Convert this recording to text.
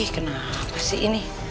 ih kenapa sih ini